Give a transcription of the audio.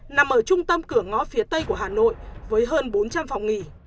nằm ở trung tâm cửa ngõ phía tây của hà nội với hơn bốn trăm linh phòng nghỉ